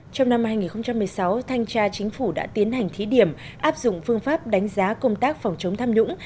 trong năm hai nghìn một mươi sáu thanh tra chính phủ đã tiến hành thí điểm áp dụng phương pháp đánh giá công tác phòng chống tham nhũng